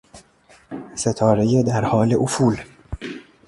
ستارهی در حال افول